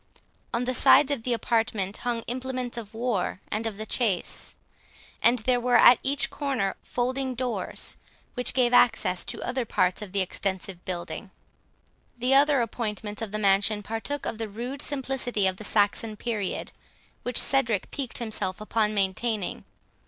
On the sides of the apartment hung implements of war and of the chase, and there were at each corner folding doors, which gave access to other parts of the extensive building. The other appointments of the mansion partook of the rude simplicity of the Saxon period, which Cedric piqued himself upon maintaining.